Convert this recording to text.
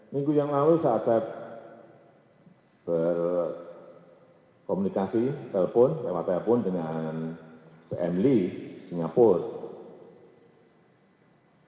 minggu yang lalu saat saya berkomunikasi telepon lewat telepon dengan pm lee singapura